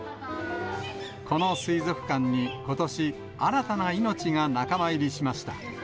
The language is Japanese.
この水族館にことし、新たな命が仲間入りしました。